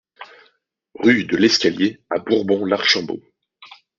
Rue de l'Escalier à Bourbon-l'Archambault